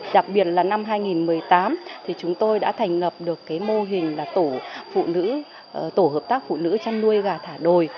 đặc biệt là năm hai nghìn một mươi tám chúng tôi đã thành lập được mô hình tổ hợp tác phụ nữ chăn nuôi gà thả đồi